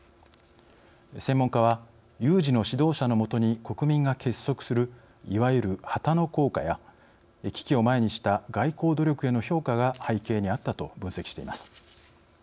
専門家は有事の指導者の下に国民が結束するいわゆる「旗の効果」や危機を前にした外交努力への評価が背景にあったと分析しています。